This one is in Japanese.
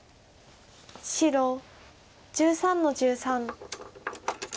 白１３の十三。